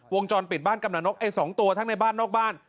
วงจรปิดบ้านกำลังนกไอ้๒ตัวทั้งในบ้านนอกบ้าน